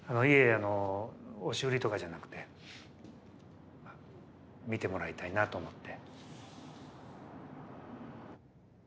あの押し売りとかじゃなくて見てもらいたいなと思って。